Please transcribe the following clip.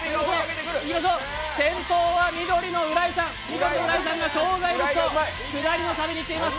先頭は緑の浦井さん、浦井さんが障害物の壁いっています。